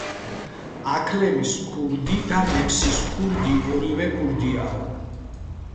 აქლემის ქურდი და ნემსის ქურდი ორივე ქურდიაო